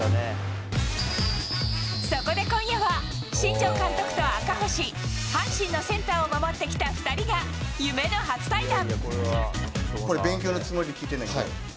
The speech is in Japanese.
そこで今夜は、新庄監督と赤星阪神のセンターを守ってきた２人が夢の初対談。